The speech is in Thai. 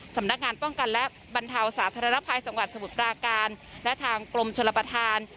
สำนักงานป้องกันและบรรเทาสาธารณภัยจังหวัดสมุทรปราการและทางกรมชลประธาน